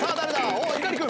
おっ猪狩君。